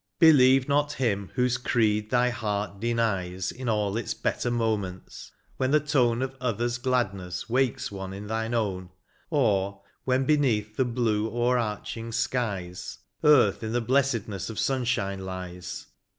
Believe not him whose creed thy heart denies In all its better moments ; when the tone Of others' gladness wakes one in thine own, Or when beneath the blue o'er arching skies Earth in the blessedness of sunshine lies.